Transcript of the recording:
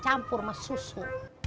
campur sama susu